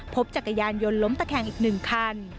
พบจักรยานยนต์ล้มตะแข็งอีกหนึ่งคัน